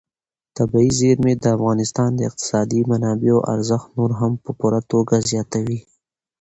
طبیعي زیرمې د افغانستان د اقتصادي منابعو ارزښت نور هم په پوره توګه زیاتوي.